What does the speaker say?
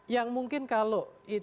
yang mungkin kalau itu